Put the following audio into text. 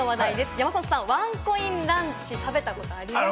山里さん、ワンコインランチ食べたことありますか？